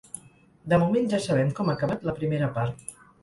De moment, ja sabem com ha acabat la primera part.